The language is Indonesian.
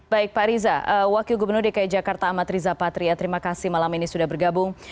baik pak riza wakil gubernur dki jakarta amat riza patria terima kasih malam ini sudah bergabung